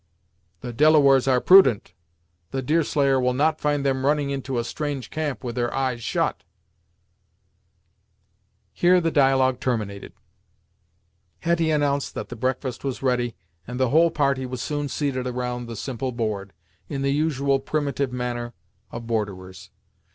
"The Delawares are prudent. The Deerslayer will not find them running into a strange camp with their eyes shut." Here the dialogue terminated. Hetty announced that the breakfast was ready, and the whole party was soon seated around the simple board, in the usual primitive manner of borderers.